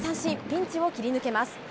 ピンチを切り抜けます。